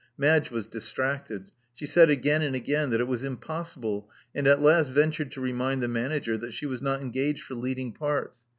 Madge was distracted. She said again and again that it was impossible, and at last ventured to remind the manager that she was not engaged for leading parts.